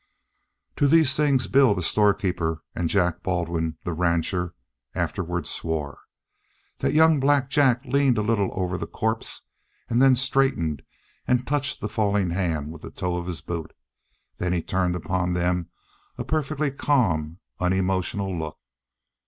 To these things Bill, the storekeeper, and Jack Baldwin, the rancher, afterward swore. That young Black Jack leaned a little over the corpse and then straightened and touched the fallen hand with the toe of his boot. Then he turned upon them a perfectly calm, unemotional look.